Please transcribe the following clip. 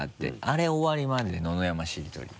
あれ終わりまで野々山しりとり。